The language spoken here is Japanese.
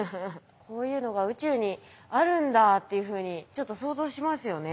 こういうのが宇宙にあるんだっていうふうにちょっと想像しますよね。